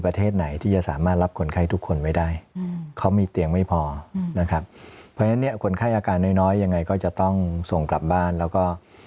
ประเทศไหนที่จะสามารถรับคนไข้ทุกคนไว้ได้เขามีเตียงไม่พอนะครับเพราะฉะนั้นเนี่ยคนไข้อาการน้อยน้อยยังไงก็จะต้องส่งกลับบ้านแล้วก็